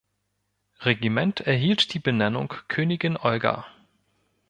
Regiment erhielt die Benennung "Königin Olga".